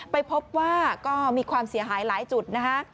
ไปพบว่าก็มีความเสียหายหลายจุดนะคะ